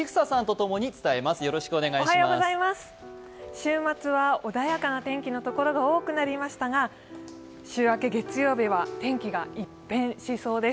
週末は穏やかな天気の所が多くなりましたが、週明け月曜日は天気が一変しそうです。